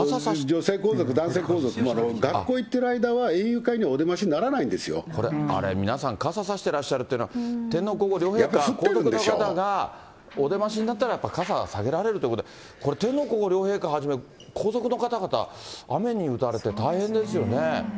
女性皇族、男性皇族、学校行ってる間は、園遊会にはお出まし皆さん、傘さしてらっしゃるというのは、天皇皇后両陛下、皇族の方がお出ましになったら、傘は下げられるということで、天皇皇后両陛下、皇族の方々、雨に打たれて大変ですよね。